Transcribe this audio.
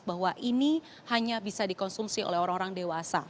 bahwa ini hanya bisa dikonsumsi oleh orang orang dewasa